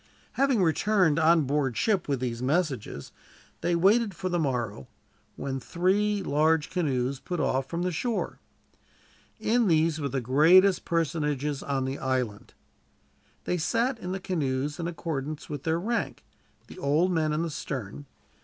Having returned on board ship with these messages, they waited for the morrow, when three large canoes put off from the shore. In these were the greatest personages on the island. They sat in the canoes in accordance with their rank, the old men in the stern.